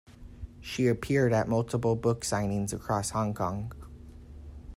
She appeared at multiple book signings across Hong Kong.